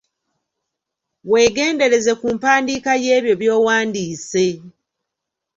Weegendereze ku mpandiika y’ebyo by’owandiise.